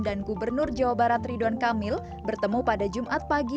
gubernur jawa barat ridwan kamil bertemu pada jumat pagi